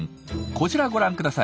こちらご覧ください。